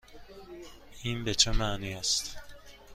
این به چه معنی است؟